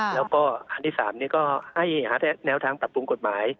แล้วก็อันที่๓นี้ก็ให้หาแนวทางปรับปรุงกฎหมาย